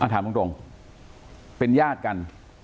ถามตรงเป็นญาติกัน